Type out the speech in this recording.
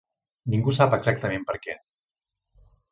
Ningú sap exactament per què.